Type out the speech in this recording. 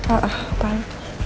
oh ah apaan